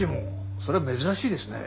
それは珍しいですね。